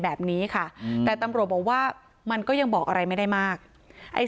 แบบนี้ค่ะแต่ตำรวจบอกว่ามันก็ยังบอกอะไรไม่ได้มากไอ้